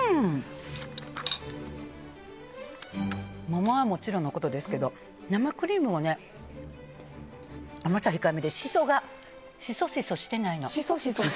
桃はもちろんのことですが生クリームも甘さ控えめでシソがシソシソしてないの。